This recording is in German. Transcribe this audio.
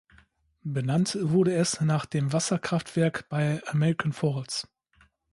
Benannt wurde es nach dem Wasser-Kraftwerk bei American Falls.